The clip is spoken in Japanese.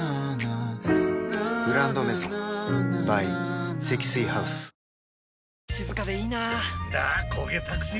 「グランドメゾン」ｂｙ 積水ハウスあっ！